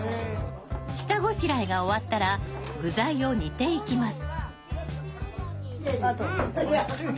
下ごしらえが終わったら具材を煮ていきます。